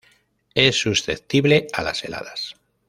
Es susceptible a las heladas.